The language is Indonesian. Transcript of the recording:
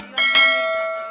sekarang aja lu bisa bilang